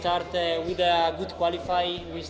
kami mulai dengan kualifikasi yang bagus